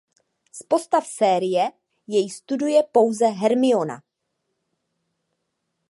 Z postav série jej studuje pouze Hermiona.